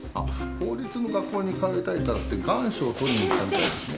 法律の学校に通いたいからって願書を取りに行ったみたいですね。